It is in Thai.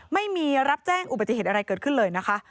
ไม่มีรับแจ้งอุบัติเหตุอะไรเกิดขึ้นเลยนะคะ